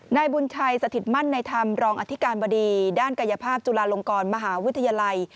นายบุญชัยสถิตมั่นในธรรมรองอธิการบดีด้านกายภาพจุฬาลงกรมหาวิทยาลัย